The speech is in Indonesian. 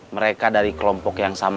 mereka dari kelompok yang sama